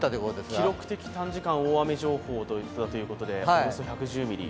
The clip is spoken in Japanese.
記録的短時間大雨情報ということで、およそ１１０ミリ。